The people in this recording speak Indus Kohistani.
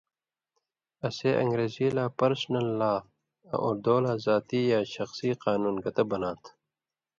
اسے اَن٘گرزی لا پرسنل لاء آں اردو لا ذاتی یا شخصی قانُون گتہ بناں تھہ۔